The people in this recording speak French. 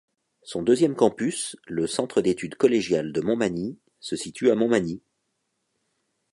Son deuxième campus, le Centre d'études collégiales de Montmagny, se situe à Montmagny.